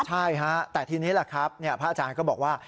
ใช่ฮะแต่ทีนี้แหละครับพระอาจารย์ก็บอกว่า